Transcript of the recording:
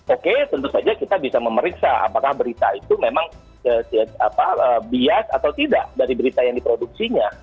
oke tentu saja kita bisa memeriksa apakah berita itu memang bias atau tidak dari berita yang diproduksinya